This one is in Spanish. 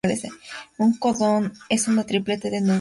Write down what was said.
Un codón es un triplete de nucleótidos.